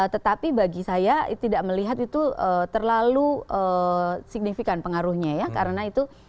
tetapi bagi saya tidak melihat itu terlalu signifikan pengaruhnya ya karena itu